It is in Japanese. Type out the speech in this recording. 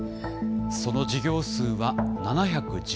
その事業数は７１２。